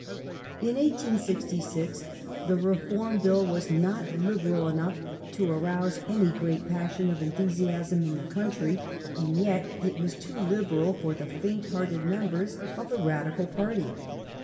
In 1866 the Reform Bill was not Liberal enough to arouse any great passion of enthusiasm in the country, and yet it was too liberal for the faint hearted members of the Radical party.